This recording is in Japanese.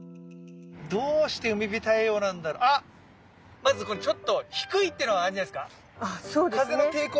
まずこれちょっと低いっていうのはあるんじゃないですか？